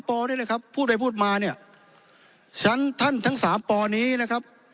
ปอก็ได้เลยครับพูดไปพูดมาเนี้ยฉันท่านทั้งสามปอนี้นะครับ